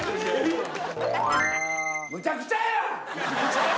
むちゃくちゃやん！